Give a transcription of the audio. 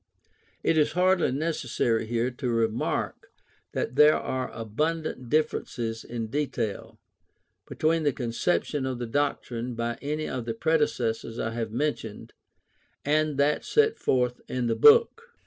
It is hardly necessary here to remark that there are abundant differences in detail, between the conception of the doctrine by any of the predecessors I have mentioned, and that set forth in the book.